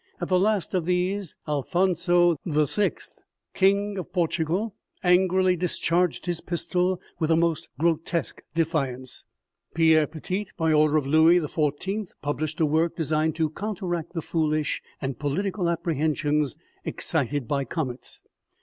At the last of these Alphonso vi., king of Portugal, angrily discharged his pistol, with the most grotesque defiance. Pierre Petit, by order of L,ouis xiv., published a work designed to counteract the foolish, and political, apprehensions excited by comets.